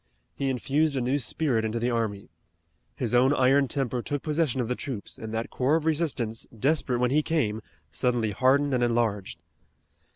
He infused a new spirit into the army. His own iron temper took possession of the troops, and that core of resistance, desperate when he came, suddenly hardened and enlarged.